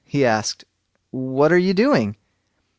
he asked, "what are you doing?"